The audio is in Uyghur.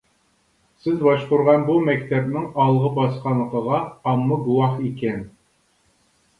سىز باشقۇرغان بۇ مەكتەپنىڭ ئالغا باسقانلىقىغا ئامما گۇۋاھ ئىكەن.